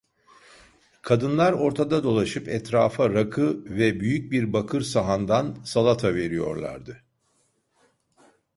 Kadınlar ortada dolaşıp etrafa rakı ve büyük bir bakır sahandan salata veriyorlardı.